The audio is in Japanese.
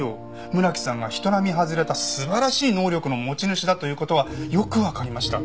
村木さんが人並み外れた素晴らしい能力の持ち主だという事はよくわかりました。